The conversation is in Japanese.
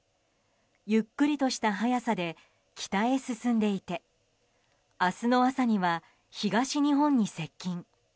ゆっくりとした速さで北へ進んでいて明日の朝には東日本に接近。